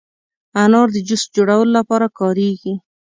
انار د جوس جوړولو لپاره کارېږي.